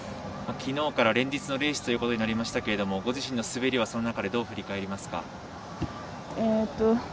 昨日から連日のレースとなりましたがご自身の滑りはその中でどう振り返りますか。